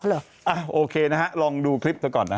อ่าโอเคนะฮะลองดูคลิปก่อนนะฮะ